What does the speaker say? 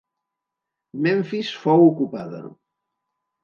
Memfis fou ocupada.